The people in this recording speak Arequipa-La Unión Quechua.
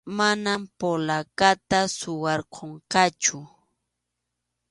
Mana polacata suwarqunqachu.